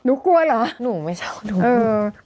หนูกลัวเหรอหนูไม่ชอบ